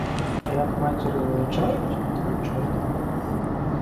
А як матір'ю величають, то нічого.